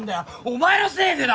お前のせいでな！